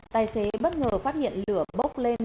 tài xế bất ngờ phát hiện lửa bốc lên